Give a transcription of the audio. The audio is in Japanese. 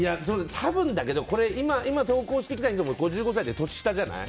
多分だけど今、投稿してきた人も５５歳で、年下じゃない。